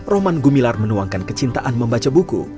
rohman gumilar menuangkan kecintaan membaca buku